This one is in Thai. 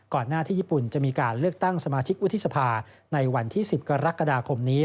หน้าที่ญี่ปุ่นจะมีการเลือกตั้งสมาชิกวุฒิสภาในวันที่๑๐กรกฎาคมนี้